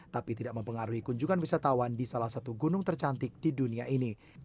tapi tidak mempengaruhi kunjungan wisatawan di salah satu gunung tercantik di dunia ini